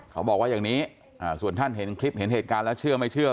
เขาบอกว่าอย่างนี้ส่วนท่านเห็นคลิปเห็นเหตุการณ์แล้วเชื่อไม่เชื่อ